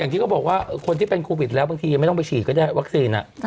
ที่เขาบอกว่าคนที่เป็นโควิดแล้วบางทียังไม่ต้องไปฉีดก็ได้วัคซีน